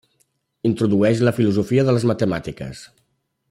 Introdueix la filosofia de les matemàtiques.